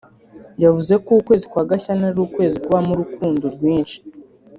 yavuze ko ukwezi kwa Gashyantare ari ukwezi kubamo urukundo rwinshi